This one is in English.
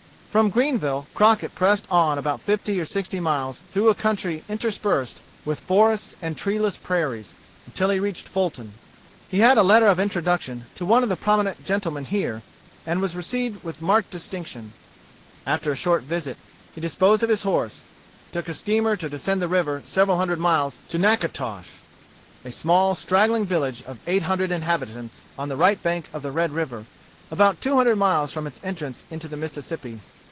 '" From Greenville, Crockett pressed on about fifty or sixty miles through a country interspersed withe forests and treeless prairies, until he reached Fulton. He had a letter of introduction to one of the prominent gentlemen here, and was received with marked distinction. After a short visit he disposed of his horse; he took a steamer to descend the river several hundred miles to Natchitoches, pronounced Nakitosh, a small straggling village of eight hundred inhabitants, on the right bank of the Red River, about two hundred miles from its entrance into the Mississippi.